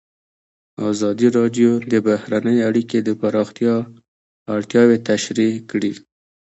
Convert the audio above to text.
ازادي راډیو د بهرنۍ اړیکې د پراختیا اړتیاوې تشریح کړي.